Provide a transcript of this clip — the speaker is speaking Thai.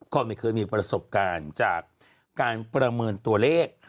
ก็ไม่เคยมีประสบการณ์จากการประเมินตัวเลข